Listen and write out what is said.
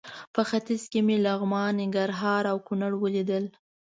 په ختیځ کې مې لغمان، ننګرهار او کونړ ولیدل.